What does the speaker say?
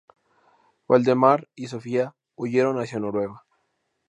Valdemar y Sofía huyeron hacia Noruega.